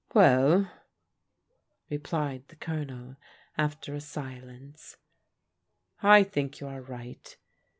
" Well," replied the Colonel, after a silence, " I tiiink you are right.